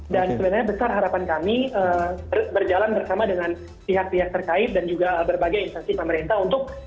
dan sebenarnya besar harapan kami berjalan bersama dengan pihak pihak terkait dan juga berbagai instansi pemerintah untuk